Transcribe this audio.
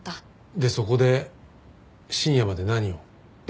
でそこで深夜まで何を？